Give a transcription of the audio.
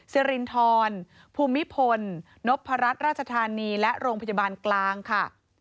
สิรินทรภูมิพลนพรัชราชธานีและโรงพยาบาลกลางค่ะ